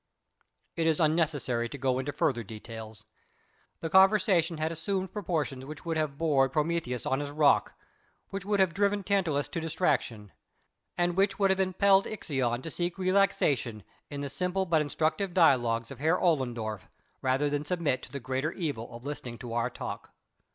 It is unnecessary to go into further details. The conversation had assumed proportions which would have bored Prometheus on his rock, which would have driven Tantalus to distraction, and which would have impelled Ixion to seek relaxation in the simple but instructive dialogues of Herr Ollendorff, rather than submit to the greater evil of listening to our talk.